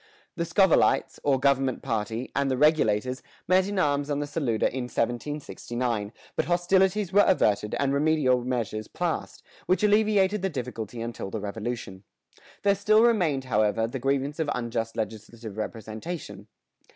The "Scovillites," or government party, and the Regulators met in arms on the Saluda in 1769, but hostilities were averted and remedial measures passed, which alleviated the difficulty until the Revolution.[117:1] There still remained, however, the grievance of unjust legislative representation.